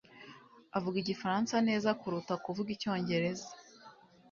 avuga igifaransa neza kuruta kuvuga icyongereza.